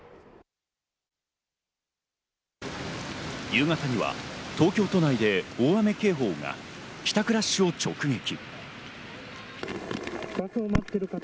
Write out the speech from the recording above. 夕方には東京都内で大雨警報が帰宅ラッシュを直撃。